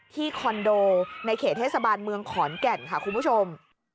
คอนโดในเขตเทศบาลเมืองขอนแก่นค่ะคุณผู้ชม